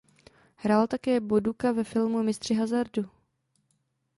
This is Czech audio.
Hrál také Bo Duka ve filmu "Mistři hazardu".